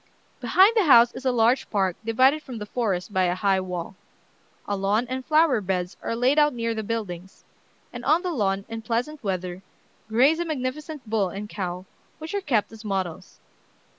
"Behind the house is a large park divided from the forest by a high wall; a lawn and flower beds are laid out near the buildings; and on the lawn, in pleasant weather, graze a magnificent bull and cow, which are kept as models.